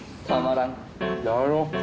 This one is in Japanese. だろ。